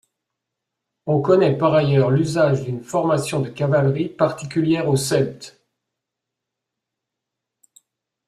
On connait par ailleurs l'usage d'une formation de cavalerie particulière aux celtes.